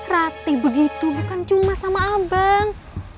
ratih begitu bukan cuma sama abang